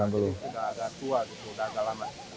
jadi sudah agak tua sudah agak lama